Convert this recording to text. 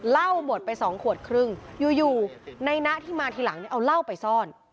เหล้าหมดไป๒ขวดครึ่งอยู่ในนะที่มาทีหลังเนี่ยเอาเหล้าไปซ่อน